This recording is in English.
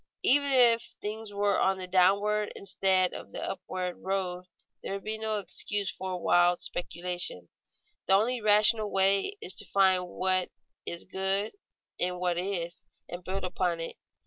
_ Even if things were on the downward instead of the upward road there would be no excuse for wild speculation. The only rational way is to find what is good in what is, and build upon it.